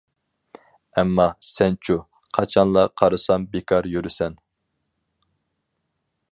ئەمما، سەنچۇ، قاچانلا قارىسام بىكار يۈرىسەن.